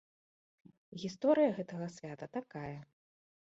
Гісторыя гэтага свята такая.